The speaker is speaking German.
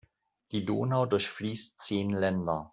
Die Donau durchfließt zehn Länder.